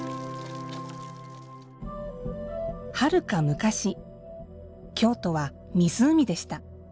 はるか昔、京都は湖でした。